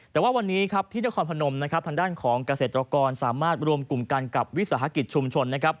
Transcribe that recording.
แต่วันนี้ทหารพนมทางด้านของกาเศษตรกรสามารถรวมกลุ่มกันกับวิสหกิจชุมชน